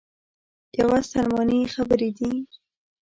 یوه سلماني خبرې دي.